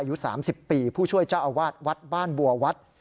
อายุ๓๐ปีผู้ช่วยเจ้าอาวาสวัดบ้านบัววัด